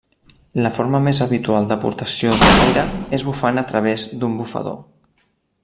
La forma més habitual d'aportació de l'aire és bufant a través d'un bufador.